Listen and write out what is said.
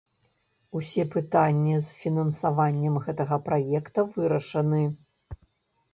Усе пытанні з фінансаваннем гэтага праекта вырашаны.